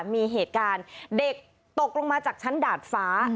มีเหตุการณ์เด็กตกลงมาจากชั้นดาดฟ้า